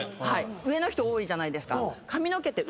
上の人多いじゃないですか。